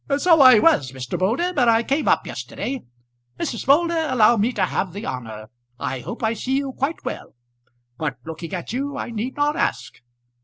"So I was, Mr. Moulder, but I came up yesterday. Mrs. Moulder, allow me to have the honour. I hope I see you quite well; but looking at you I need not ask.